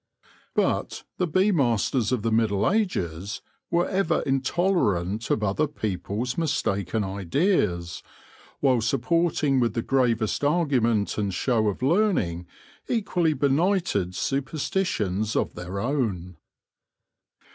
But the bee masters of the Middle Ages were ever intolerant of other people's mistaken ideas, while supporting with the gravest argument and show of learning equally benighted superstitions of their own.